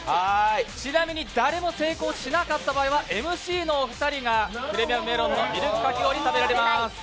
ちなみに誰も成功しなかった場合はＭＣのお二人がプレミアムメロンのみるくかき氷を食べられます。